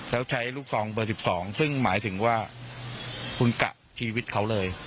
แล้วใช้ลูกซองเบอร์๑๒ซึ่งหมายถึงว่าคุณกะชีวิตเขาเลย